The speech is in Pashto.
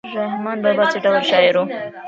رحمان بابا څه ډول شاعر و؟